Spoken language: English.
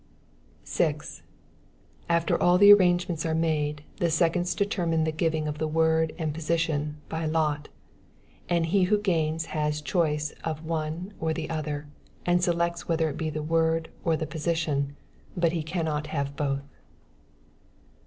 6. After all the arrangements are made, the seconds determine the giving of the word and position, by lot; and he who gains has the choice of the one or the other, selects whether it be the word or the position, but he cannot have both.